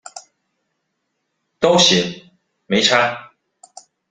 都行，沒差